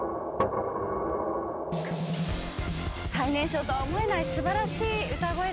最年少とは思えない素晴らしい歌声でした。